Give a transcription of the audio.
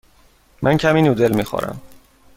من کمی نودل می خورم.